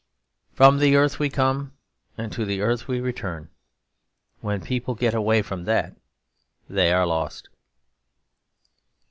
'From the earth we come and to the earth we return; when people get away from that they are lost.'